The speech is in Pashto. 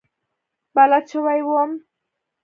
بلد شوی وم.